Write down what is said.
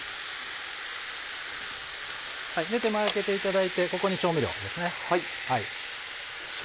手前あけていただいてここに調味料ですね。